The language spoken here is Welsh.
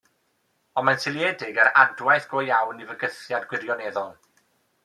Ond mae'n seiliedig ar adwaith go iawn i fygythiad gwirioneddol.